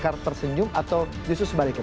kami akan membahas dan mengulas sebenarnya